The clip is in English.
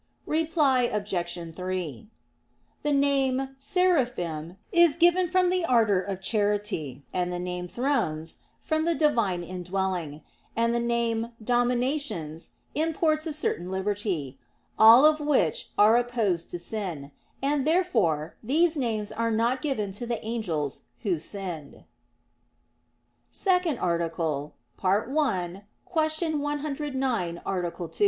Reply Obj. 3: The name "Seraphim" is given from the ardor of charity; and the name "Thrones" from the Divine indwelling; and the name "Dominations" imports a certain liberty; all of which are opposed to sin; and therefore these names are not given to the angels who sinned. _______________________ SECOND ARTICLE [I, Q. 109, Art.